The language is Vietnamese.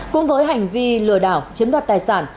cũng với hành vi lừa đảo chiếm đoạt tài sản